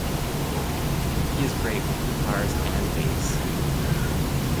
He is great with guitars and bass.